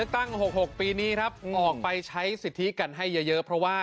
ตั้ง๖๖ปีนี้ครับออกไปใช้สิทธิกันให้เยอะเพราะว่า